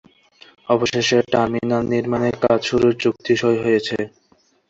অবশেষে টার্মিনাল নির্মাণে কাজ শুরুর চুক্তি সই হয়েছে।